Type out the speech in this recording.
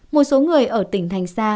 một số người ở tỉnh thành sa